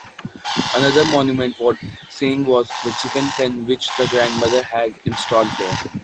Another monument wort seeing was the chicken pen which the grandmother had installed there.